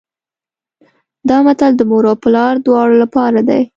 دا متل د مور او پلار دواړو لپاره دی